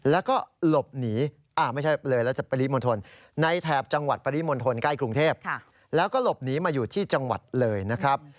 แล้วก็หลบหนีไม่ใช่เลยแล้วจะปริมณฑลในแถบจังหวัดปริมณฑลใกล้กรุงเทพแล้วก็หลบหนีมาอยู่ที่จังหวัดเลยนะครับ